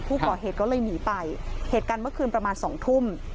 ผู้ก่อเหตุก็เลยหนีไปเหตุการณ์เมื่อคืนประมาณสองทุ่ม